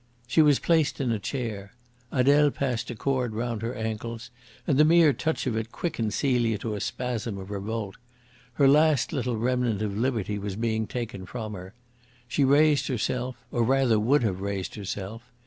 She was placed in a chair. Adele passed a cord round her ankles, and the mere touch of it quickened Celia to a spasm of revolt. Her last little remnant of liberty was being taken from her. She raised herself, or rather would have raised herself.